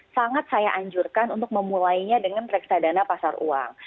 sangat saya anjurkan untuk memulainya dengan reksadana pasar uang